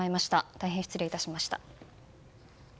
大変失礼いたしました。